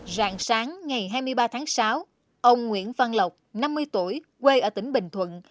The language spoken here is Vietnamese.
rạng sáng ngày hai mươi ba tháng sáu ông nguyễn văn lộc năm mươi tuổi quê ở tỉnh bình thuận